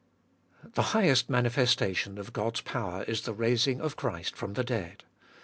1. The highest manifestation of God's power is the raising of Christ from the dead.